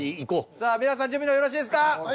さあ皆さん準備の方よろしいですか？